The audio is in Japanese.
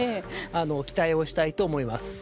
期待をしたいと思います。